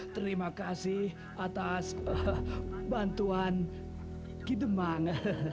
terima kasih atas bantuan kidumang